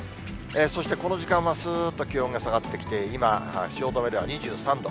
そしてこの時間はすーっと気温が下がってきて、今、汐留では２３度。